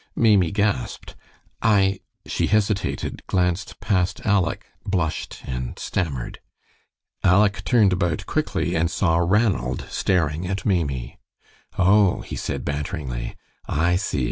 Maimie gasped. "I " she hesitated, glanced past Aleck, blushed, and stammered. Aleck turned about quickly and saw Ranald staring at Maimie. "Oh," he said, banteringly, "I see.